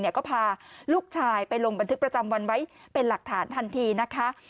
ก็พาลูกชายไปลงบันทึกประจำวันไว้เป็นหลักฐานทันทีนะคะ